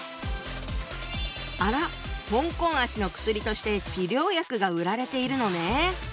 あら「香港脚」の薬として治療薬が売られているのね。